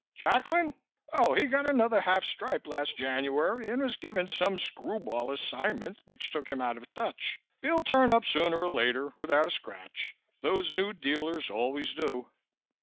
"Jacklin? Oh, he got another half stripe last January and was given some screw ball assignment which took him out of touch. He'll turn up sooner or later, without a scratch; those New Dealers always do."